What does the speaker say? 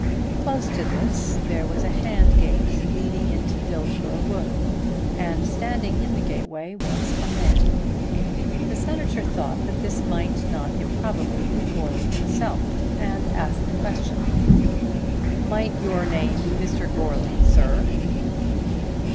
Close to this there was a hand gate leading into Dillsborough wood, and standing in the gateway was a man. The Senator thought that this might not improbably be Goarly himself, and asked the question, "Might your name be Mr. Goarly, sir?"